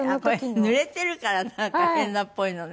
これぬれてるからなんか変なっぽいのね。